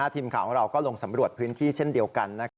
ทีมข่าวของเราก็ลงสำรวจพื้นที่เช่นเดียวกัน